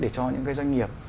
để cho những cái doanh nghiệp